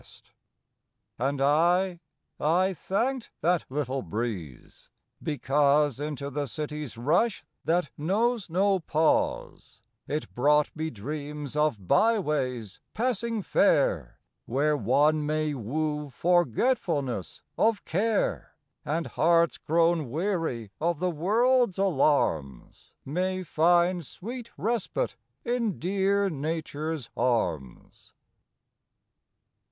May Fourth And I I thanked that little breeze because Into the city s rush that knows no pause It brought me dreams of byways passing fair Where one may woo forgetfulness of care, And hearts grown weary of the world s alarms May find sweet respite in dear Nature s arms.